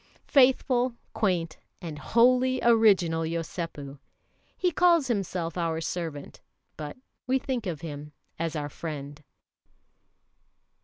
Faithful, quaint, and wholly original Yosépu! He calls himself our servant, but we think of him as our friend.